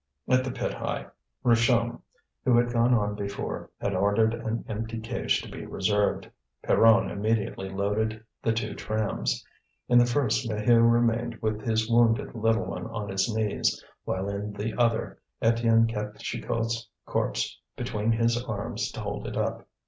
At the pit eye Richomme, who had gone on before, had ordered an empty cage to be reserved. Pierron immediately loaded the two trams. In the first Maheu remained with his wounded little one on his knees, while in the other Étienne kept Chicot's corpse between his arms to hold it up.